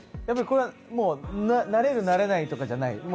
やっぱりこれはもう慣れる慣れないとかじゃない？